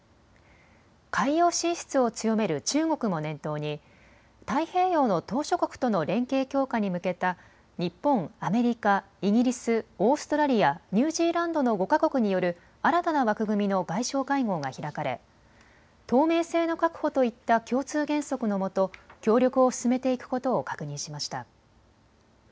海洋進出を強める中国も念頭に太平洋の島しょ国との連携強化に向けた日本、アメリカ、イギリス、オーストラリア、ニュージーランドの５か国による新たな枠組みの外相会合が開かれ透明性の確保といった共通原則のもと協力を進めていくことを確認しました。